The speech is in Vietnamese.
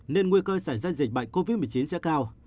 nên nguy cơ xảy ra dịch bệnh covid một mươi chín sẽ cao